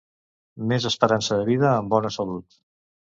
Més esperança de vida amb bona salut.